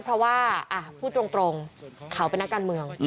เพราะว่าพูดตรงเขาเป็นนักการเมือง